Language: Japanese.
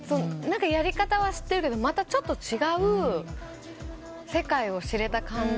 やり方は知ってるけどまたちょっと違う世界を知れた感じ。